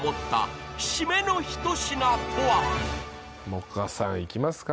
萌歌さんいきますか